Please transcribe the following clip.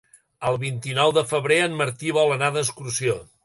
El vint-i-nou de febrer en Martí vol anar d'excursió.